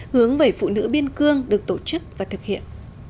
hướng về phụ nữ biên cương được tổ chức và thực hiện